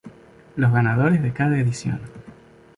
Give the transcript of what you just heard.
Los ganadores de cada edición.